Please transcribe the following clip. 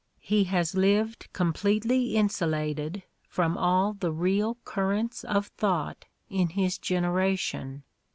He has lived completely insulated from all the real currents of thought in his generation.